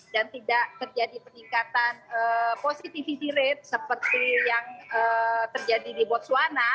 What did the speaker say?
dan tidak terjadi peningkatan positivity rate seperti yang terjadi di botswana